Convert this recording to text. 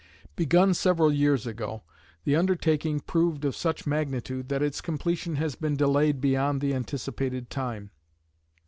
Begun several years ago, the undertaking proved of such magnitude that its completion has been delayed beyond the anticipated time.